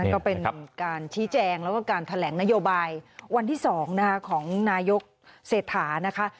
ก็เป็นการชี้แจงแล้วก็การแถลงนโยบายวันที่๒ของนายกเศรษฐานะคะ